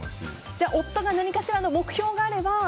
じゃあ夫が何かしらの目標があれば。